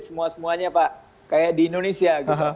semua semuanya pak kayak di indonesia